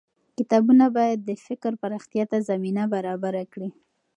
کتابونه بايد د فکر پراختيا ته زمينه برابره کړي.